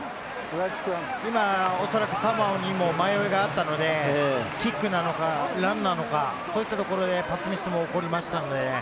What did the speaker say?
今、おそらくサモアにも迷いがあったので、キックなのか、ランなのか、そういったところでパスミスが起こりましたので。